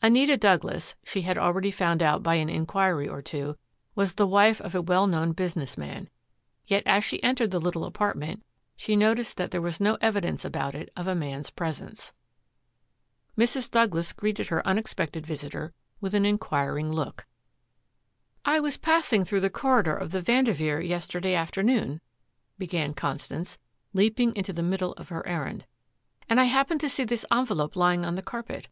Anita Douglas, she had already found out by an inquiry or two, was the wife of a well known business man. Yet, as she entered the little apartment, she noticed that there was no evidence about it of a man's presence. Mrs. Douglas greeted her unexpected visitor with an inquiring look. "I was passing through the corridor of the Vanderveer yesterday afternoon," began Constance, leaping into the middle of her errand, "and I happened to see this envelope lying on the carpet.